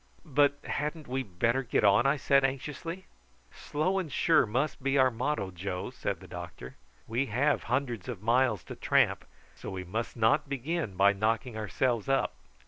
"But hadn't we better get on?" I said anxiously. "`Slow and sure' must be our motto, Joe," said the doctor. "We have hundreds of miles to tramp, so we must not begin by knocking ourselves up.